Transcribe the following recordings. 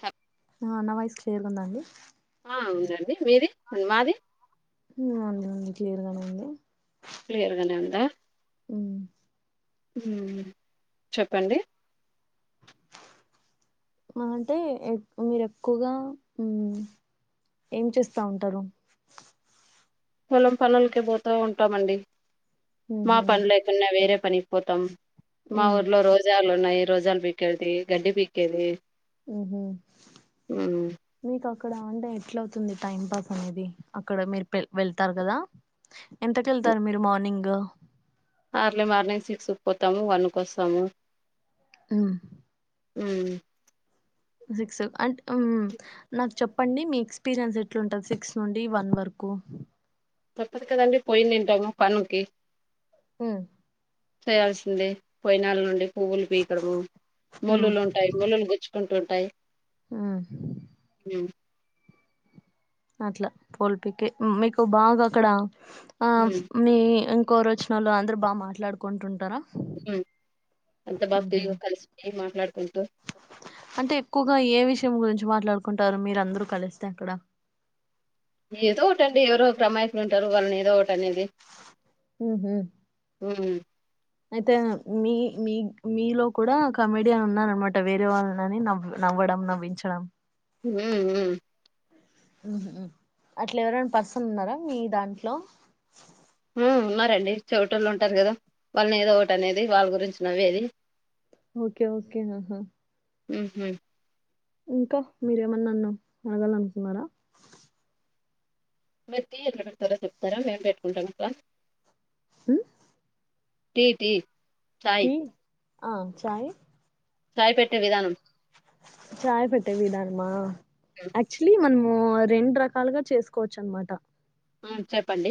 హ నా అన్నవాయిస్ క్లియర్ గా ఉందాండి ఆ అవునండి మీది మాది ఉంది ఉంది క్లియర్గానే ఉంది క్లియర్ గానే ఉందా ఉమ్ మ్మ్ చెప్పండి మహా అంటే మీరు ఎక్కువగా మ్మ్ ఏం చేస్తా ఉంటారు. పొలం పనులకే పోతా ఉంటామండి. మా ఉహు పని లేకున్నా వేరే పనికి పోతాం మా ఉమ్. ఊర్లో రోజా ఉన్నాయి రోజలు బీకేది గడ్డి పీకేది ఉహు హ్మ్. మీ కాక అక్కడ అంటే ఎట్ల అవుతుంది టైం పాస్ అనేది అక్కడ మీరు పె వెళ్తారు కదా ఎంతక వెళ్తారు మీరు మార్నింగ్ అర్లీ మార్నింగ్ సిక్స్కి పోతాము వన్ కూ వస్తాము హు ఊ సిక్స్ అంటే నాకు చెప్పండి మీ ఎక్స్పీరియన్స్ ఎట్లుంటుంది సిక్స్ నుండి వన్ వరకు తప్పదు కదా అండి పోయినింటాము పనుకి హు చేయాల్సిందే పోయినళ్ళ నుండి పువ్వులు పీకడము ఉ ముల్లులు ఉంటాయి ముల్లులు గుచ్చుకుంటు టాయి హు హు అట్లా పూల్ పీకే మీకు బాగా అక్కడ ఆ హ్మ్. మీ కోరు వచ్చినోళ్ళు అందరు బాగా మాట్లాడుకుంటుంటారా ఉ అంత ఉహు బాగా కలిసి పోయి మాట్లాడుకుంటు అంటే ఎక్కువగా ఏ విషయం గురించి మాట్లాడుకుంటారు మీరు అందరూ కలిస్తే అక్కడ ఏదో ఒకట్టండి ఎవరు అమాయకులు ఉంటారు వాళ్ళని ఏదో ఒకటి అనేది ఉహు ఊ అయితే మీ మీ మీలో కూడా కమెడియన్ ఉన్నారనమాట వేరే వాళ్ళని నవ్ నవ్వడం నవ్వించడం ఉ ఊ ఉఉహు అట్లా ఎవరైనా పర్సన్ ఉన్నారా మీ దాంట్లో ఉన్నారండి చెవిటోల్లు ఉంటారు కదా వాళ్ళని ఏదో ఒకటి అనేది వాళ్ళ గురించి నవ్వేది ఓకే ఓకే ఆహా ఉహు ఇంకా మీరేమన్నా నాన్ను అడగాలనుకున్నారా మీరు టీ ఎట్లా పెడతారా చెప్తారా మేము పెట్టుకుంటాం అట్లా ఉ టీ టీ ఛాయ్ ఆ చాయి ఛాయ్ పెట్టే విధానం ఛాయ్ పెట్టే విధానామా ఉమ్, యాక్చువలీ మనం ఓ రెండు రకాలుగా చేసుకోవచ్చు అనమాట ఆ చెప్పండి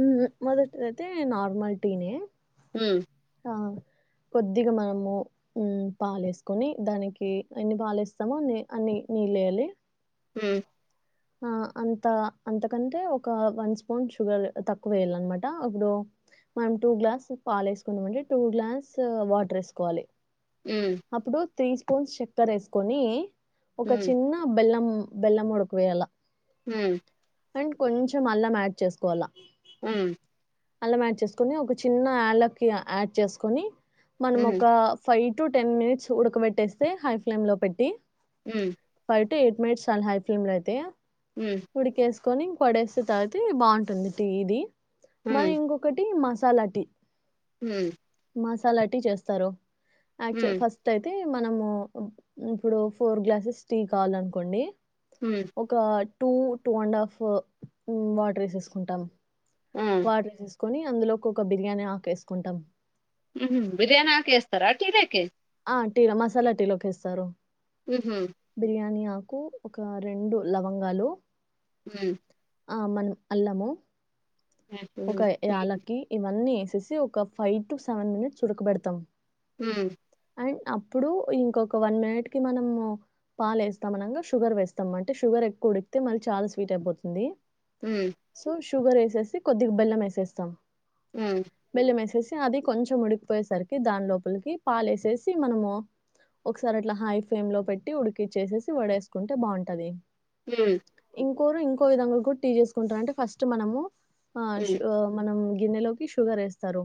మ్మ్ మొదటిదైతే నార్మల్ టీనే హుం ఆ కొద్దిగా మనము మ్మ్ పాలేసుకొని దానికి ఎన్ని పాలేస్తామో అన్ని నీళ్ళు వేయాలి. హ్మ్ ఆ అంత అంతకంటే ఒక వన్ స్పూన్ షుగర్ తక్కువ వేయాలనమాట, అప్పుడు మనం టూ గ్లాస్ పాలు వేసుకున్నామంటే టూ గ్లాస్ వాటర్ వేసుకోవాలి. ఉమ్, అప్పుడు త్రీ స్పూన్స్ చక్కర వేసుకొని ఒక ఉమ్, చిన్న బెల్లం బెలం ముడకువే అల హ అండ్ కొంచెం అల్లం యాడ్ చేసుకోవాల ఉమ్ అల్లం యాడ్ చేసుకొని ఒక చిన్న యాళ్లకి యాడ్ చేసుకొని మనం ఉమ్, ఒక ఫైవ్ టు టెన్ మినిట్స్ ఉడకబెట్టేస్తే హై ఫ్లేమ్ లో పెట్టి హ ఎట్ మినిట్స్ చాల హై ఫ్లేమ్ లో అయితే ఉమ్, ఉడికే కొని ఇంక పడేసే తవాతే బాగుంటుంది టీ ఇది మన ఇంకొకటి మస్ చలాటి హ అలాంటి చేస్తారు ఆక్చు ఫస్ట్ అయితే మనము ఇప్పుడు ఫోర్ గ్లాసెస్ టీ కావాల అనుకోండి హ two two and half water వేసేసుకుంటాం ఉమ్, వాడజ కొని అందులోకొక బిర్యానీ ఆకేసుకుంటాం. హ్మ్ బిర్యానాక్ వేస్తార అట్లా [unintelligible] ఓకే ఆ టీలో మసాలా టీ లోకి ఇస్తారు. ఉహుం, బిర్యాని ఆ కు ఒక రెండు లవంగాలు హ్మ్ ఆ మనం అల్లము ఒక ఉమ్, యాలకి ఇవన్నీ ఏ సేసి ఒక ఫైవ్ టు సెవెన్ మినిట్స్ ఉడకబెడతాం హ్మ్ అండ్ అప్పుడు ఇంకొక వన్ మినిట్ కి మనం పాలేస్తాం అనంగా షుగర్ వేస్తాము అంటే షుగర్ ఎక్కువ ఉడికితే మళ్ళీ చాలా స్వీట్ అయిపోతుంది ఉమ్, సో షు షుగర్ ఏసేసి కొద్దిగా బెల్లం ఏసేస్తాం ఉమ్. బెల్లమేసేసి అది కొంచెం ఉడికిపోయేసరికి దానిలోపలికి పాలేసేసి మనము ఒకసారి అట్లా హై ఫ్లేమ్ లో పెట్టి ఉడికిచ్చేసేసి వడేసుకుంటే బావుంటాది హ్మ్ కోరు ఇంకో విధంగా కూడా టీ చేేసుకుంటారు అంటే ఫస్ట్ మనము ఆ హ్మ్. షు ఆ మనం గిన్నెలోకి షుగర్ ఏస్తారు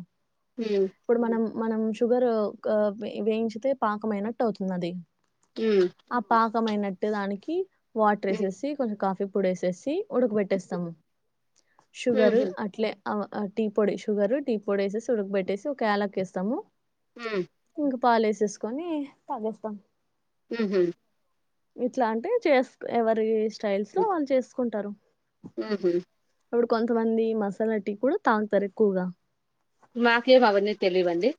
హ్మ్. ప్పుడు మనం మనం షుగర్ కు వె వేయించితే పాకమైనట్టు అవుతుందది హ్మ్. ఆ పా త్వమైనట్టే దానికి వాటర్ హ్మ్. ఏసేసి కొంచెం కాఫీ పొడేసేసి ఉడకబెట్టేస్తాము షుగరు హుహు. అట్లే అవ ఆ టీ పొడి షుగరు టీ పొడి వేసేసి ఉడక పెట్టేసి ఒక యాలక్ ఏస్తాము హ్మ్ పాలేసేసుకొని తాగేస్తాం ఊ హూ ఇట్లా అంటే చేస్క్ ఎవరిచేస్ స్టైల్ లో వాళ్ళు చేస్ కుంటారు ఊహూ ఇప్పుడు కొంతమంది మసాలా టీ కూడా తాగుతారు ఎక్కువగా మాకేం అవన్నీ తెలీవండి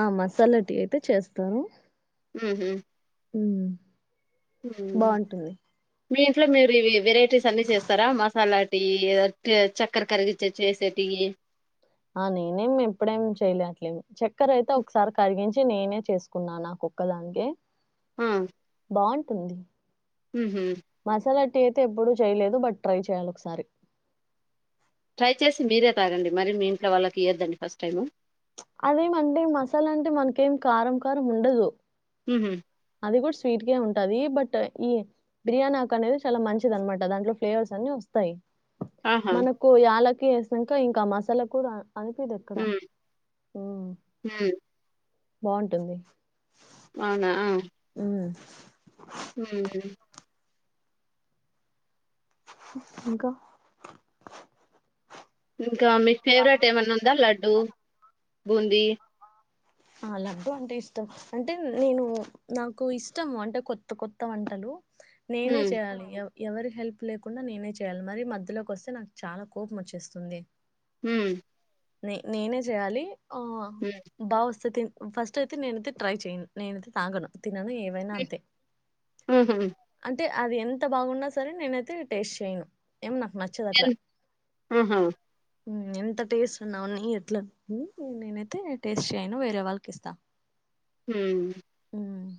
ఆ మసాలా టీ అయితే చేస్తారు మ్ హూ ఉ బాగుంటుంది. మీ ఇంట్లో మీరు ఇవి వెరై అన్ని చేస్తారా మసాలా [unintelligible] చక్కర కరగచ్చచ్చసేటికి ఆ నేనేం ఎప్పుడేం చెయలే అట్లేమి. చక్కర అయితే ఒకసారి కరిగించ నేనే చేసుకున్నా నా కొక్కదానికి బాగుంట టంది ఊ హ అయితే ఎప్పుడూ చేయలేదు. బట్ ట్రై చేయాలి ఒకసారి. ట్రై చేసి మీరే సరేండి మరి మీ ఇంట్లో వాళ్ళకి ఇయొద్దండి ఫస్ట్ టైము. అదేమంటే మసాలా అంటే మనకేం కారం, కారం ఉండదు. ఊహా అది కూడా స్వీట్ గా ఉంటది. బట్ ఈ బిర్యానీ ఆకు అనేది చాలా మంచిది అనమాట దాంట్లో ఫ్లేవర్స్ అన్ని వస్తాయి. ఆహా! మనకు ఏళకు వేసాక ఇంకా మసాలా కూడా అనిపేది ఎక్కడా హ్మ్. ఊ హ్మ్. బాగుంటుంది. అవునా ఆ హ్మ్ హ్మ్. ఇంకా ఇంకా మీకు ఫేవరెట్ ఏమైన్నా ఉందా లడ్డూ. బూంది అలా ఉంటే ఇష్టం. అంటే నేను నాకు ఇష్టం అంటే కొత్త కొత్త వంటలు. నేనే హ్మ్. చేయాలి ఎవరి హెల్ప్ లేకుండా నేనే చేయాలి, మరి మధ్యలోకి వస్తే నాకు చాలా కోపం వచ్చేస్తుంది. ఊ ని నేనే చేయాలి ఆ హ్మ్. బా వస్తుతి ఫస్ట్ అయితే నేను అయితే ట్రై చేయను, నేను తాగను. తినను ఏవైనా అంతే అంటే హుహు. అంటే అది ఎంత బాగున్నా సరే నేనైతే టేస్ట్ చేయను. ఏమో నాకు నచ్చదు అట్లా. ఎన్ ఆహా! హ్మ్ ఎంత టేస్ట్ ఎట్టున ఉన్ని ఎట్లా నేనైతే టేస్ట్ చేయను వేరే వాళ్ళకి ఇస్తా. హ్మ్ హ్మ్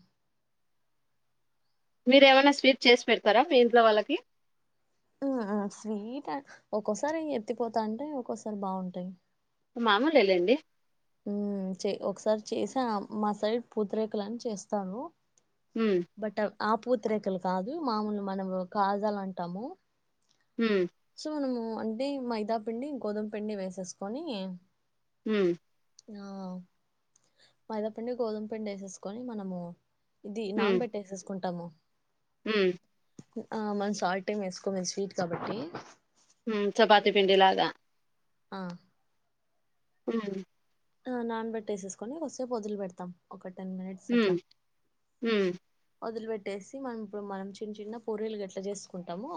మీరు ఏవన్న స్వీట్ చేసి పెడతారా మీ ఇంట్లో వాళ్ళకి ఆ ఆ స్వీట్ ఒక్కోసారి ఎత్తిపోతా అంటే ఒక్కోసారి బాగుంటాయి. మామూల్గా వెయ్యండి హ్మ్ చే ఒకసారి చేసా మా సైడ్ పూతిరేకలుని చేస్తాము. హ్మ్ బట్ ఆ పూత్రరేకలు కాదు మామూలు మనము కాజాల అంటాము. హ్మ్ సో మనము అంటే మైదాపిండి, గోధుమ పిండి, వేసేసుకొని, హ్మ్ ఆ మైదాపిండి, గోధుమ పిండి, వేసేసుకొని మనము ఇది నాన్ పెట్టేసేసుకుంటాము హ్మ్మ్ ఆ మనం సాల్ట్ ఏం వేస్కొము స్వీట్ కాబట్టి చపాతి పిండి లాగా ఆ హమ్ నాన్ బట్టేసేసుకొని ఒకసేపు వదిలిపెడతాం ఒకటి టెన్ మనిట్స్లా అట్లా హమ్ వదిలిపెట్టేసి మనం ఇప్పుడు మనం చిన్న చిన్న పొరీలు గట్లా చేసుకుంటాము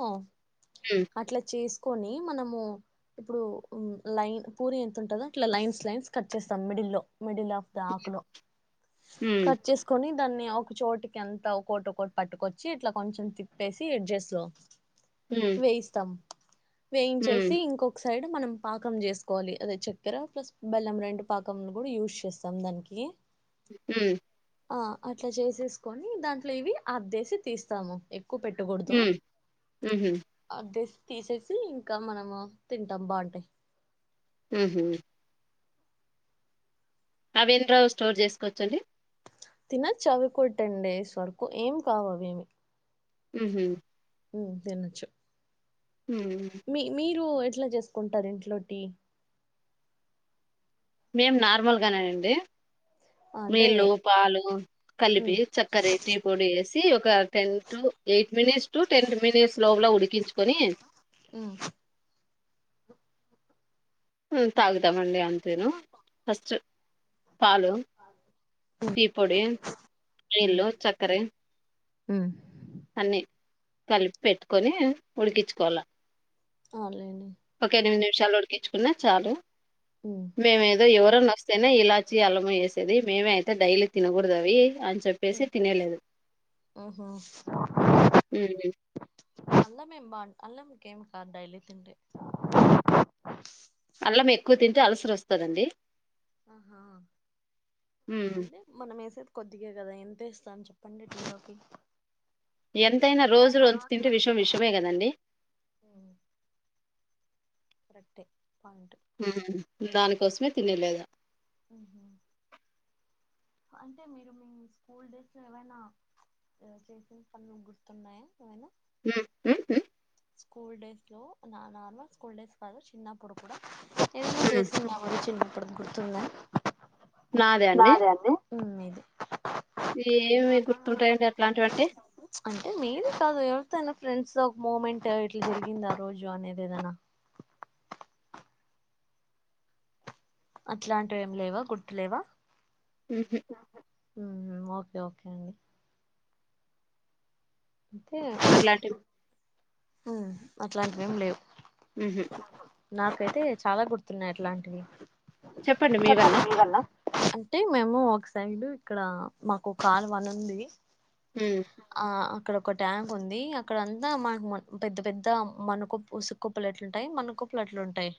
హ్మ్ అట్లా చేసు కని మనము ఇప్పుడు లైన్ పూరి ఎంత ఉంటందో ఇట్లా లైన్స్ లైన్స్ కట్ చేస్తాం మిడిల్లో మిడిల్ ఆఫ్ ద ఆకు లో హ్మ్ కట్ చేసుకొని దన్నే ఒక చోటికి ఎంత ఒకటి ఒకటి పట్టుకొచ్చి ఇట్లా కొంచెం తిప్పేసి ఎడ్జెస్లో హ్మ్ వెయిస్తతం వేయించేసి హ్మ్ ఇంకొక సైడ్ మనం పాకం చేసుకోవాలి అదే చక్కెర ప్లస్ బెల్లం రెండు పాకంలు కూడా యూస్ చేస్తాం దానికి హ ఆ అట్లా చేసే కొని దాంట్లో ఇవి ఆద్దేసి తీస్తాము కు పెట్టుకూడదు హ్మ్ హుహు అదే తీసేసి ఇంకా మనము తింటాం బాగుంటాయి హ్మ్మ్ రవీంద రావు స్టోర్ చేసుకోవచ్చండి తినచ్చ చవి కొట్టం డేస్ వరకు ఏం కావవేమి ఉ తన్నచ్చు హ్మ్ మీ మీ రు ఎట్లా చేసుకుంటారు ఇంట్లోటి మేం నార్మల్ గానే అండి అంటే నీళ్ళు పాలు కలిపి ఉమ్ చక్కరే టీ పొడి వేసి సీ ఒక ten to eight minutes to ten minutes లోపల ఉడికించుకొని ఉమ్ ఉమ్ తాగుతామండి అంతేను ఫస్ట్ పాలు ఉమ్ టీ పొడి ఉమ్ నీళ్లుు చక్కర ఉమ్. అన్నీ కలిపిపెట్టుకొని ఉడికించుకోవాల అవన్లెండి చాల ఉడికించుకో చ్ కున్నా చాలు ఉమ్ మేమే దో ఎవరఅన్న వస్ తేనె ఇలాచి అల్లం వేసేది మేమే అయితే డైలీ తినకూడదు అవి అన్ అవునా ఉమ్. అలమెంబ అల్లం కేం కాదు డైలీతింటే అల్లం ఎక్కువ తింటే అలసర్ వస్తదండి ఆహా ఉమ్. అంటే మనం వేసే ద్ కొద్దిగే కదా ఎంతేస్తం చెప్పండి టీ లోకి ఎంతైనా రోజు రొంతు తింటే విషయం విషమే కదండి కరెక్టే పా ఉమ్ దానికోసమే తినేద్లేదు అంటే మీరు మీ స్కూల్ డేస్ లో ఏవైనా చేసిన పనులు గుర్తున్నాయా ఏమైనా ఉమ్ ఉం ఉ స్కూల్ డేస్లో నా నార్మల్ స్కూల్ డేస్ కాదు చిన్నప్పుడు కూడా ఏదనా ఉమ్. చేస్తున్నా మరి చిన్న అప్పుడు గుర్తుఉందా నాద అండి ఉమ్ నీది ఏమి గుర్తుంటాయండి అట్లాంటివంటె అంటే మీదే కాదు ఎవరితోైనా ఫ్రెండ్స్ తో ఒక మూమెంట్ ఇట్లా జరిగింది ఆ రోజు అనేది ఏదనా అట్లాంటివి ఏం లేవా గుర్తులేవా ఉంహు ఉమ్ ఓకే ఓకే అండి అంతే అట్లాంటివి ఉమ్ అట్లాంటివేం లేవు ఉహ నాకైతే చాలా గుర్తున్నాయి అట్లాంటివి చెప్పండి మీవన్నా [unintelligible] అంటే మేము ఒక సైడ్ ఇక్కడ మాకు కార్ వన్ ఉంది ఉమ్, ఆ ఇక్కడ ఒక ట్యాంక్ ఉంది అక్కడంతా మనకు పెద్ద పెద్ద మణకుప్పు ఉసికుప్పులు అట్లుంటాయి మన్నకుప్పులు అట్లు ఉంటాయి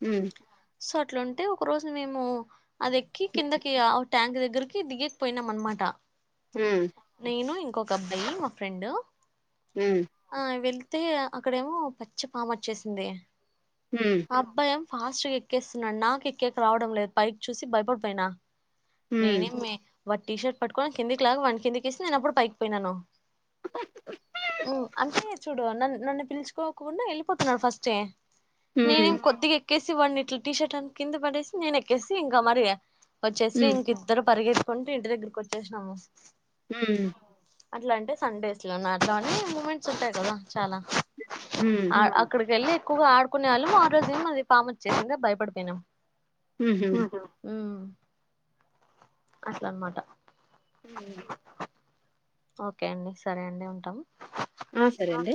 హుమ్ సో అట్లుంటే ఒక రోజు మేము అదెక్కి కిందకి ట్యాంక్ దగ్గకి దిగేక్ పోయినాంమనమాట హ్మ్ నేను ఒకబ్బాయి రెండు హ్మ్ ఆ వెళ అయితే అక్కడేమో పచ్చి పాము వచ్చేసింది హ్మ్ ఆ అబ్బయా ఫాస్ట్గా ఎక్కేస్తున్నాడు నాకు ఎకెక్కి రావడం లేదు పైక్ చూసి భయపడిపోయినా హ్మ్. నేనేమే వాడి టీ షర్ట్ పట్టుకొని కిందికి లాగా వాన్నీ కిందికిేసి నేను అప్పుడు పైకిపోయినాను అంటే చూడు న నన్ను పిలుచుకోకుకుండా వెళ్ళిపోతున్నాడు ఫస్టే హ్మ్. హ్మ్. నేనేం కొద్దిగా ఎక్కేసి వాడిని ఇట్ల టీ షర్ట్ అంత కింద పడేసి నేనె ఎక్కేసి ఇంకా మరి వచ్చేసి హ్మ్. ఇంక ఇద్దరు పరిగెతు కొంటే ఇంటి దగ్గరకు వచ్చేసినాము హ అట్లా అంటే సండేస్ లో నాట్లో అనే మూమెంట్స్ ఉంటాయి కదా చాలా హ్మ్. ఆ అక్కడికి వెళ్తే ఎక్కువగా ఆడుకునే వాళ్ళం ఆ రోజు ఏ అది పామ్ వచ్చేసి భయపడిపోయినాం హుహు. హుమ్ అస్లా అ మాటా ఓకే అండి సరే అండి ఉంటాము ఆ సరే అండి